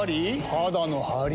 肌のハリ？